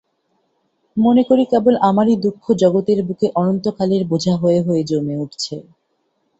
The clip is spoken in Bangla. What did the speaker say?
মনে করি কেবল আমারই দুঃখ জগতের বুকে অনন্তকালের বোঝা হয়ে হয়ে জমে উঠছে।